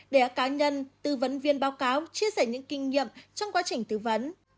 để cá nhân tư vấn viên báo cáo chia sẻ những kinh nghiệm trong quá trình tư vấn